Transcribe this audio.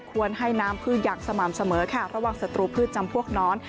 ควรให้น้ำพืชอย่างสม่ำเสมอค่ะระหว่างศัตรูพืชจำพวกน้อน